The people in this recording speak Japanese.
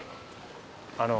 あの。